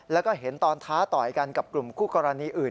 แล้วก็เห็นตอนท้าต่อยกันกับกลุ่มคู่กรณีอื่น